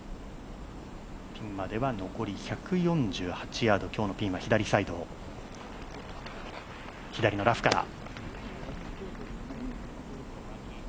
ピンまでは残り１４８ヤード、ピンは左サイド左のラフから。